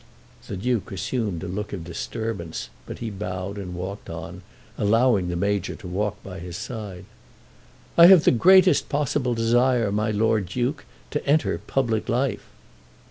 The Duke assumed a look of disturbance, but he bowed and walked on, allowing the Major to walk by his side. "I have the greatest possible desire, my Lord Duke, to enter public life."